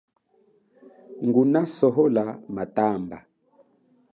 Nguna sohola matamba.